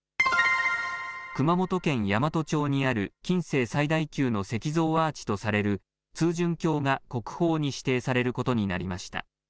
熊本県山都町にある近世最大級の石造アーチとされる通潤橋が、国宝に指定されることになりました。